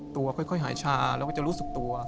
ตัวค่อยหายชาเราก็จะรู้สึกตัว